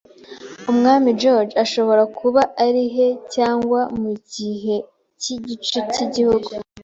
Umwami George! - ashobora kuba ari he cyangwa mu kihe gice cy'iki gihugu? ”